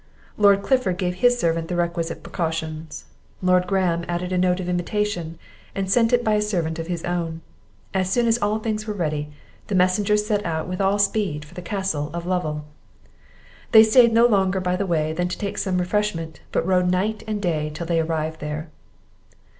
Lord Clifford gave his servant the requisite precautions. Lord Graham added a note of invitation, and sent it by a servant of his own. As soon as all things were ready, the messengers set out with all speed for the Castle of Lovel. They stayed no longer by the way than to take some refreshment, but rode night and day till they arrived there.